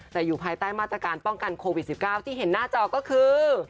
แต่อยู่ภายใต้มาตรการป้องกันโควิด๑๙ที่เห็นหน้าจอก็คือ